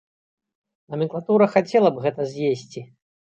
Наменклатура хацела б гэта з'есці.